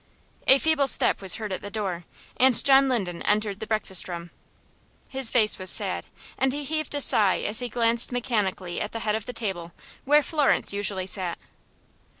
A feeble step was heard at the door, and John Linden entered the breakfast room. His face was sad, and he heaved a sigh as he glanced mechanically at the head of the table, where Florence usually sat.